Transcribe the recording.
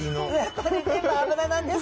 これ全部脂なんですね。